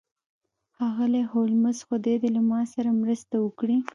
ښاغلی هولمز خدای دې له ما سره مرسته وکړي